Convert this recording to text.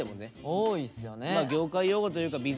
多いっすよね。